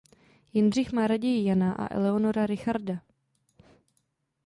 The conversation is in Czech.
Jindřich má raději Jana a Eleonora Richarda.